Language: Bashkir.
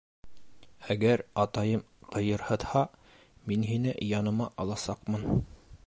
Әгәр атайым ҡыйырһытһа, мин һине яныма аласаҡмын.